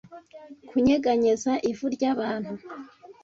kunyeganyeza ivu ryabantu